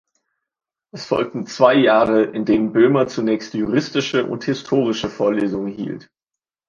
Es folgten zwei Jahre, in denen Böhmer zunächst juristische und historische Vorlesungen hielt.